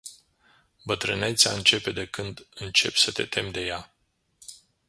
Bătrânețea începe de când începi să te temi de ea.